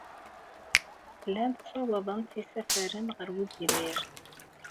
Llant ssawaḍent isafaren ɣer wegrir.